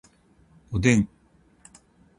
おでん